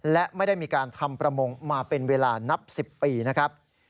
และไม่ได้มีการทำประมงมาเป็นเวลานับ๑๐ปีนะครับ